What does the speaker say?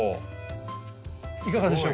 いかがでしょうか？